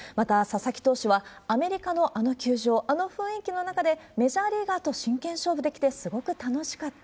また佐々木投手は、アメリカのあの球場、あの雰囲気の中で、メジャーリーガーと真剣勝負できて、すごく楽しかった。